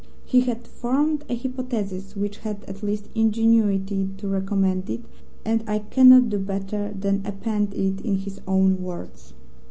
He had formed a hypothesis which had at least ingenuity to recommend it, and I cannot do better than append it in his own words.